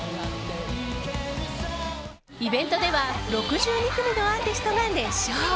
イベントでは６２組のアーティストが熱唱。